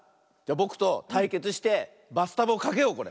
ぼくとたいけつしてバスタブをかけようこれ。